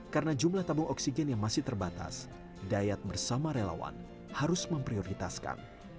karena jumlah tabung oksigen yang masih terbatas dayat bersama relawan harus memprioritaskan